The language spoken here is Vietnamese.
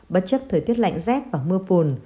bất chấp thời tiết lạnh rét và mưa phùn